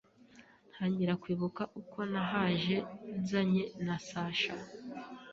ntangira kwibuka uko nahaje nzanye na Sacha,